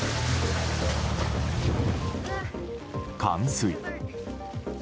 冠水。